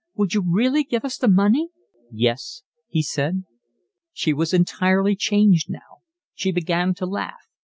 Would you really give us the money?" "Yes," he said. She was entirely changed now. She began to laugh.